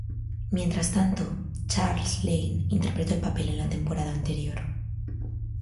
Mientras tanto, Charles Lane interpretó el papel en la temporada anterior.